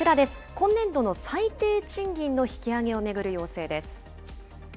今年度の最低賃金の引き上げを巡る要請です。